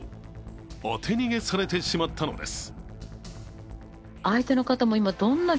当て逃げされてしまったのです。